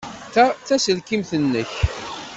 Ta d taselkimt-nnek.